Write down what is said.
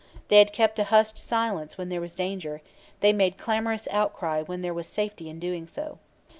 They had kept a hushed silence when there was danger; they made clamorous outcry when there was safety in doing so.